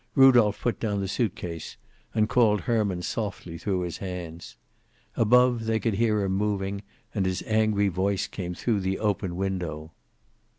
Rudolph put down the suitcase, and called Herman softly through his hands. Above they could hear him moving, and his angry voice came through the open window.